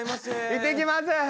行ってきます。